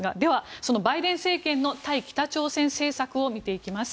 そのバイデン政権の対北朝鮮政策を見ていきます。